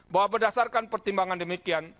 bahwa berdasarkan pertimbangan demikian